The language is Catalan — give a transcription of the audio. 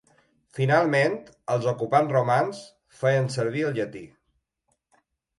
Finalment, els ocupants romans feien servir el llatí.